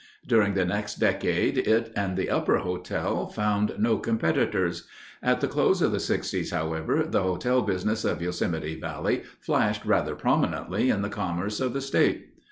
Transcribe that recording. During the next decade it and the Upper Hotel found no competitors. At the close of the 'sixties, however, the hotel business of Yosemite Valley flashed rather prominently in the commerce of the state.